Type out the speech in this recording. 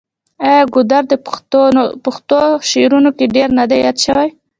آیا ګودر د پښتو شعرونو کې ډیر نه دی یاد شوی؟